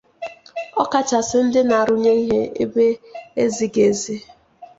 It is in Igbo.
ọ kachasị ndị na-arụnye ihe ebe ezighị ezi